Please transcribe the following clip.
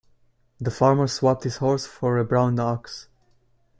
The farmer swapped his horse for a brown ox.